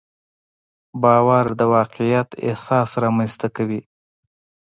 باور د واقعیت احساس رامنځته کوي.